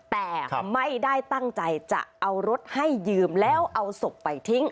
แต่ไม่ได้ตั้งใจจะเอารถให้ยืมแล้วเอาศพไปทิ้ง